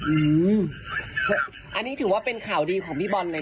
อืมอันนี้ถือว่าเป็นข่าวดีของพี่บอลเลย